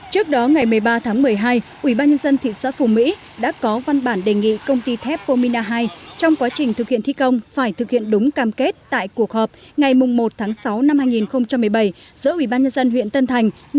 trước đó ngày một mươi ba tháng một mươi hai ủy ban nhân dân thị xã phùng mỹ đã có văn bản đề nghị công ty thép comina hai trong quá trình thực hiện thi công phải thực hiện đúng cam kết tại cuộc họp ngày một tháng sáu năm hai nghìn một mươi bảy giữa ủy ban nhân dân huyện tân thành